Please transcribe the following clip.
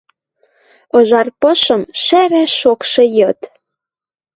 Ыжар пышым шӓрӓ шокшы йыд